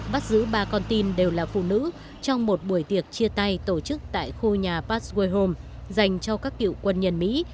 bắt giữ ba con tin đều là phụ nữ trong một buổi tiệc chia tay tổ chức tại khu nhà pastway home dành cho các cựu quân nhân mỹ